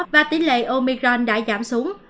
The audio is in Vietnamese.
và tỷ lệ omicron đã giảm xuống